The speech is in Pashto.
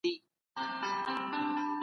عمری ډاکو یو جالب کرکټر و.